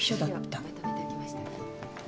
資料まとめておきましたから。